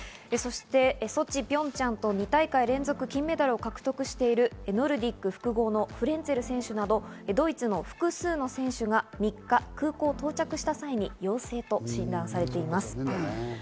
そしてソチ、ピョンチャンと２大会連続金メダルを獲得しているノルディック複合のフレンツェル選手などドイツの複数の選手が３日、空港に到着した際に陽性と診断されています。